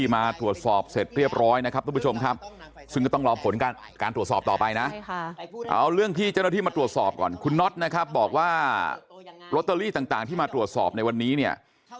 มาตรวจสอบก่อนคุณน็อตนะครับบอกว่าล็อตเตอรี่ต่างที่มาตรวจสอบในวันนี้เนี่ย